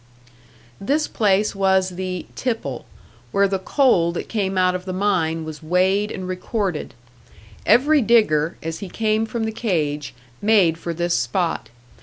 This place was the "tipple," where the coal that came out of the mine was weighed and recorded. Every digger, as he came from the cage, made for this spot.